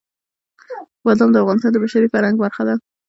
بادام د افغانستان د بشري فرهنګ برخه ده.